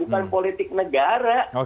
bukan politik negara